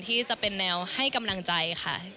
ที่จะเป็นแนวให้กำลังใจค่ะ